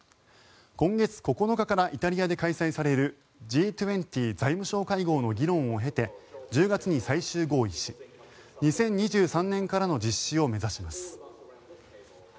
今月９日からイタリアで開催されるＧ２０財務相会合の議論を経て１０月に最終合意し２０２３年からの実施を目指します。